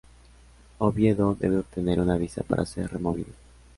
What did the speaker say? Oviedo debe obtener una visa para ser removido.